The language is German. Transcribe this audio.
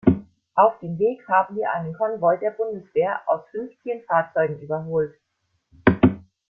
Auf dem Weg haben wir einen Konvoi der Bundeswehr aus fünfzehn Fahrzeugen überholt.